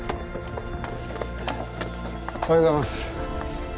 おはようございます。